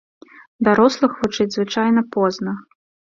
Дарослых вучыць звычайна позна.